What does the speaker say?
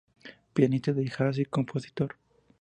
Pianista de jazz y compositor.